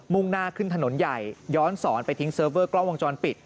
่งหน้าขึ้นถนนใหญ่ย้อนสอนไปทิ้งเซิร์ฟเวอร์กล้องวงจรปิด